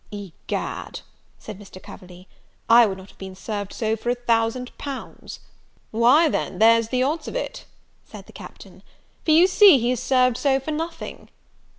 "Egad," said Mr. Coverley, "I would not have been served so for a thousand pounds." "Why, then, there's the odds of it," said the Captain; "for you see he is served so for nothing.